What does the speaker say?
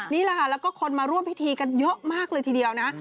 นี่แหละค่ะแล้วก็คนมาร่วมพิธีกันเยอะมากเลยทีเดียวนะ